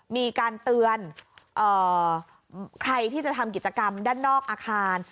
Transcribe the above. มีการเตือนใครที่จะทำกิจกรรมด้านนอกอาคาร